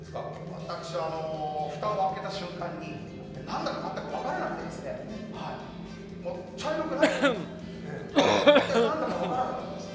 私は、蓋を開けた瞬間に何だか全く分からなくてですね、茶色くないじゃないかと、一体何だか分からなかったです。